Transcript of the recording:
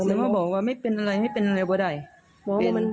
มะหมรบอกว่าไม่เป็นอะไรมันไม่เป็นอะไรว่าไหน